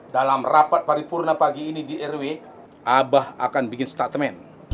dalam rapat paripurna pagi ini di rw abah akan bikin statement